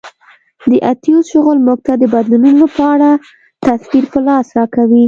د اتیوس شغل موږ ته د بدلونونو په اړه تصویر په لاس راکوي